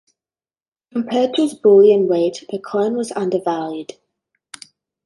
Compared to its bullion weight, the coin was undervalued.